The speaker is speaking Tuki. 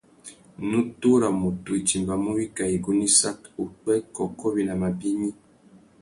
Nutu râ mutu i timbamú wikā igunú issat, upwê, kôkô, winama bignï.